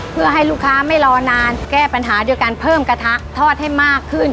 เพื่อให้ลูกค้าไม่รอนานแก้ปัญหาด้วยการเพิ่มกระทะทอดให้มากขึ้น